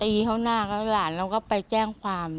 อืมตีเขาหน้าแล้วหลานเราก็ไปแจ้งความ